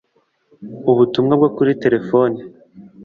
ubutumwa bwo kuri telephone